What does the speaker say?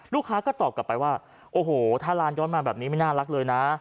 ลูกค้าก็ตอบกลับไปว่าโอ้โหถ้าร้านย้อนมาแบบนี้ไม่น่ารักเลยนะ